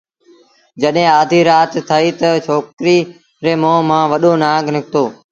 جڏهيݩ آڌيٚ رآت ٿئيٚ تا ڇوڪريٚ ري مݩهݩ مآݩ وڏو نکتو